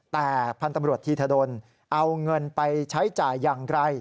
แต่พันธุ์ตำรวจธีธดลเอาเงินไปใช้จ่ายอย่างไร